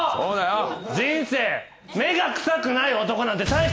人生。